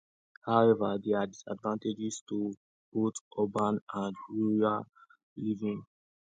However, there are disadvantages to both urban and rural living.